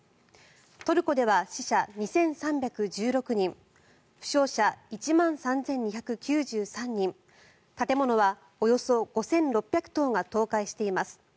トルコでは死者２３１６人負傷者１万３２９３人建物はおよそ５６００棟が倒壊しています。